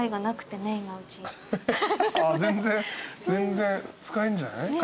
全然使えんじゃない？